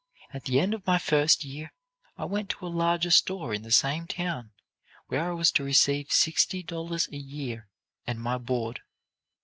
At the end of my first year, I went to a larger store in the same town, where I was to receive sixty dollars a year and my board.